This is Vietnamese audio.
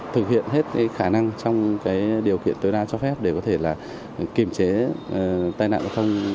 thực hiện hết khả năng trong điều kiện tối đa cho phép để có thể kiềm chế tai nạn giao thông